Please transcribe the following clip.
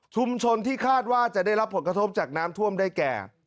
ชุมชนที่คาดว่าจะได้รับผลกระทบจากน้ำท่วมได้แก่